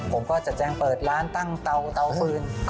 ผมก็จะแจ้งเปิดร้านตั้งเตาฟืน